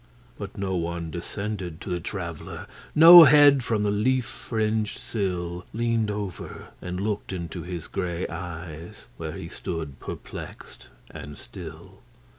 But no one descended to the Traveller; No head from the leaf fringed sillLeaned over and looked into his grey eyes, Where he stood perplexed and still.